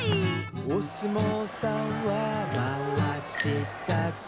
「おすもうさんはまわしだけ」